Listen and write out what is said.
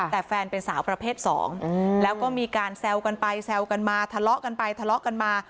แต่แฟนเป็นสาวประเภทสองแล้วก็มีการแซวกันไปแซวกันมาทะเลาะกันไปทะเลาะกันมา